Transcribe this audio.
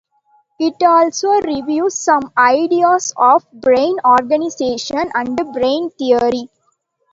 It also reviews some ideas of brain organization and brain theory.